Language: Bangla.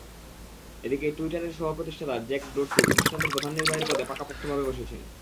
এদিকে টুইটারের সহ-প্রতিষ্ঠাতা জ্যাক ডোর্সি প্রতিষ্ঠানটির প্রধান নির্বাহীর পদে পাকাপোক্তভাবে বসেছেন।